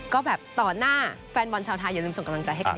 ก็แบบต่อหน้าแฟนบอลชาวไทยอย่าลืมส่งกำลังใจให้กัน